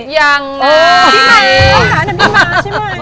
ห้านับที่มาใช่ไหม